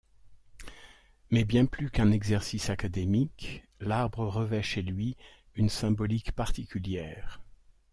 Mais bien plus qu'un exercice académique, l'arbre revêt chez lui une symbolique particulière.